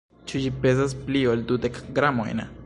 Ĉu ĝi pezas pli ol dudek gramojn?